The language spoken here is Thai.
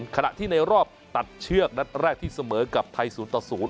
ขณะที่ในรอบตัดเชือกนัดแรกที่เสมอกับไทย๐ต่อ๐